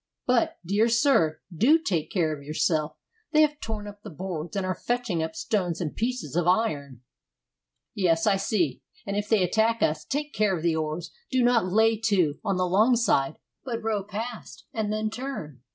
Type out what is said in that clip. But, dear sir, do take care of yourself. They have torn up the boards, and are fetching up stones and pieces of iron." "Yes, I see. If they attack us, take care of the oars. Do not lay to on the long side; but row past, and then turn.